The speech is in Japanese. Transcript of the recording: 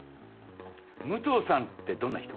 武藤さんってどんな人？